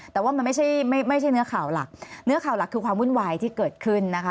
แต่ว่ามันไม่ใช่ไม่ใช่เนื้อข่าวหลักเนื้อข่าวหลักคือความวุ่นวายที่เกิดขึ้นนะคะ